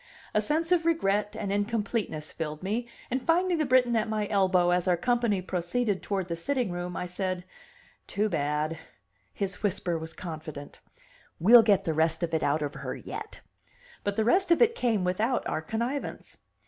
A sense of regret and incompleteness filled me, and finding the Briton at my elbow as our company proceeded toward the sitting room, I said: "Too bad!" His whisper was confident. "We'll get the rest of it out of her yet." But the rest of it came without our connivance.